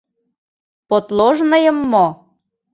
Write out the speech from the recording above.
Подложныйым мо?!